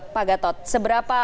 pak gatot seberapa